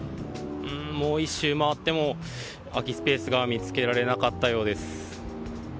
もう１周回っても空きスペースが見つけられなかったようです。